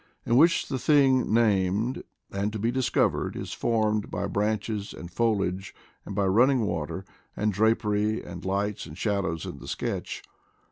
in which the thing named and to be discovered is formed by branches and foliage, and by running water, and drapery, and lights and shadows in the sketch.